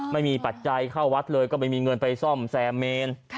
ปัจจัยเข้าวัดเลยก็ไม่มีเงินไปซ่อมแซมเมน